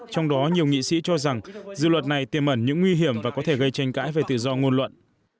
trong đó nhiều nghị sĩ cho rằng dự luật này tiềm ẩn những nguy hiểm và có thể gây tranh cãi về tự do ngôn luận